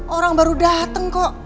orang baru dateng kok